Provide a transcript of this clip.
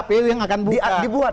kpu yang akan buka